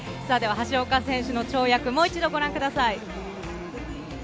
橋岡選手の跳躍をもう一度ご覧ください。